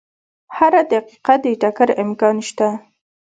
هره دقیقه د ټکر امکان شته.